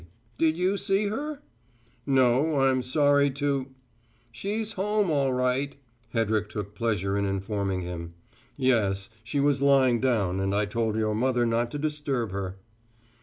"Did you see her?" "No, I'm sorry to " "She's home, all right," Hedrick took pleasure in informing him. "Yes. She was lying down and I told your mother not to disturb her."